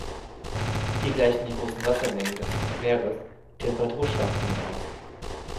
Hier gleichen die großen Wassermengen des Meeres die Temperaturschwankungen aus.